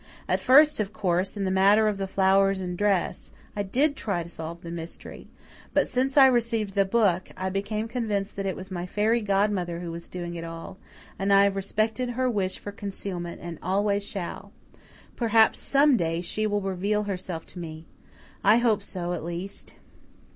At first, of course, in the matter of the flowers and dress, I did try to solve the mystery; but, since I received the book, I became convinced that it was my fairy godmother who was doing it all, and I have respected her wish for concealment and always shall. Perhaps some day she will reveal herself to me. I hope so, at least."